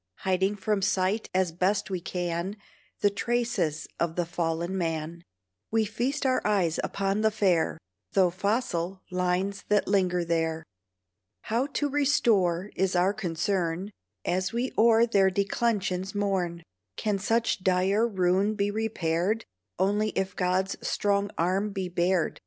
Hiding from sight as best we can The traces of the fallen man, We feast our eyes upon the fair, Though fossil, lines that linger there. How to restore is our concern, As we o'er their declensions mourn. Can such dire ruin be repaired? Only if God's strong arm be bared.